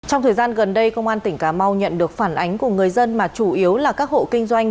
trong thời gian gần đây công an tỉnh cà mau nhận được phản ánh của người dân mà chủ yếu là các hộ kinh doanh